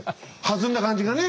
弾んだ感じがね